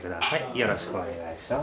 よろしくお願いします。